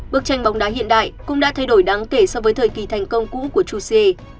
bức tranh bóng đá hiện đại cũng đã thay đổi đáng kể so với thời kỳ thành công cũ của chuse